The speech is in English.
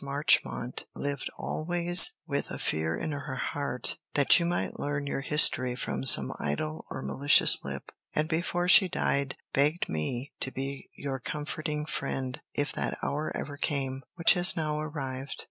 Marchmont lived always with a fear in her heart that you might learn your history from some idle or malicious lip, and before she died begged me to be your comforting friend, if that hour ever came, which has now arrived.